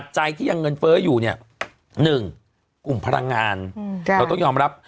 ใจที่ยังเงินเฟ้ออยู่เนี่ย๑กลุ่มพลังงานเราต้องยอมรับ